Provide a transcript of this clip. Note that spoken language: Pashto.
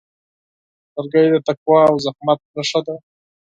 لرګی د تقوا او زحمت نښه ده.